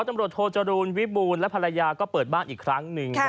ตำรวจโทจรูลวิบูรณ์และภรรยาก็เปิดบ้านอีกครั้งหนึ่ง